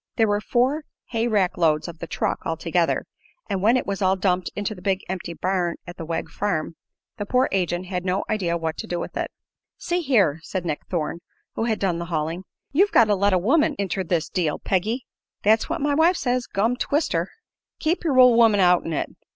There were four hay rack loads of the "truck," altogether, and when it was all dumped into the big empty barn at the Wegg farm the poor agent had no idea what to do with it. "See here," said Nick Thorne, who had done the hauling, "you've got to let a woman inter this deal, Peggy." "That's what my wife says, gum twist her." "Keep yer ol' woman out'n it.